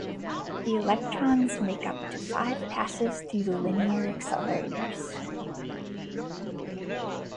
The electrons make up to five passes through the linear accelerators.